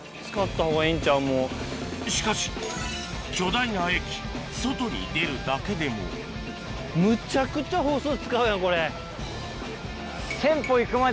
しかし巨大な駅外に出るだけでもむちゃくちゃ歩数使うやんこれ。